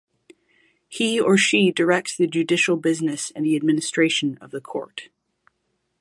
He or she directs the judicial business and the administration of the Court.